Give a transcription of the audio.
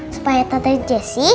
supaya tante jessy